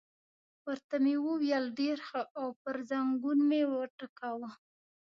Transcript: ورته مې وویل: ډېر ښه، او پر زنګون مې وټکاوه.